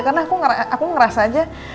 karena aku ngerasa aja